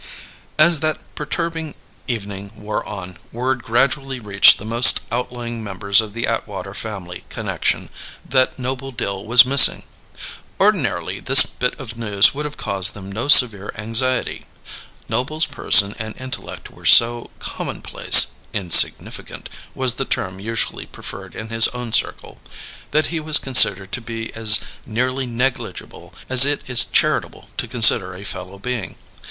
As that perturbing evening wore on, word gradually reached the most outlying members of the Atwater family connection that Noble Dill was missing. Ordinarily, this bit of news would have caused them no severe anxiety. Noble's person and intellect were so commonplace "insignificant" was the term usually preferred in his own circle that he was considered to be as nearly negligible as it is charitable to consider a fellow being.